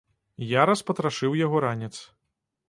Я распатрашыў яго ранец.